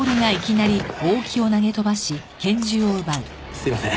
すいません。